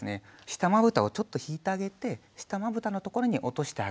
下まぶたをちょっと引いてあげて下まぶたのところに落としてあげる。